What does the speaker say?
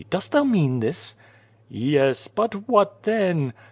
Dost thou mean this?" "Yes, but what then?"